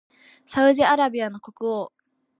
サウジアラビアの国王